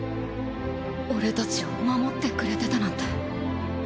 俺たちを守ってくれてたなんて。